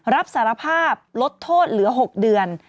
รับสารภาพลดโทษเหลือ๖เดือน